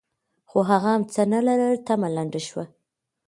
خو هغه هم څه نه لرل؛ تمه لنډه شوه.